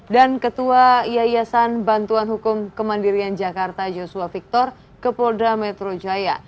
dan ketua yayasan bantuan hukum kemandirian jakarta joshua victor ke polda metro jaya